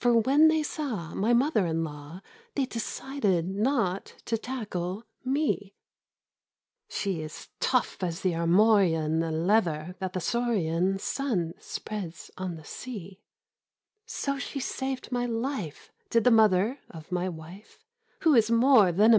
For when they saw My mother in law, They decided not to tackle Me! 52 She is tough as the armorian Leather that the saurian Sun spreads on the Sea — So she saved my life, Did the mother of my wife, Who is more than